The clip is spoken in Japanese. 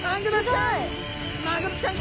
マグロちゃん。